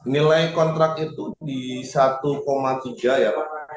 nilai kontrak itu di satu tiga ya pak